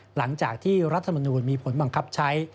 หลังจากที่รัฐมนูลมีผลบังคับใช้